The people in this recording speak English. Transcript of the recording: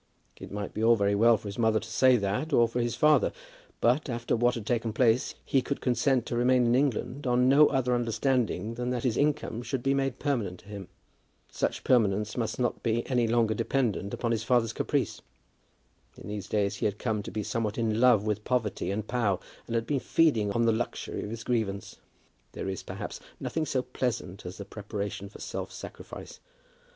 It might be all very well for his mother to say that, or for his father; but, after what had taken place, he could consent to remain in England on no other understanding than that his income should be made permanent to him. Such permanence must not be any longer dependent on his father's caprice. In these days he had come to be somewhat in love with poverty and Pau, and had been feeding on the luxury of his grievance. There is, perhaps, nothing so pleasant as the preparation for self sacrifice.